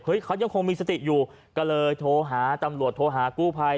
เขายังคงมีสติอยู่ก็เลยโทรหาตำรวจโทรหากู้ภัย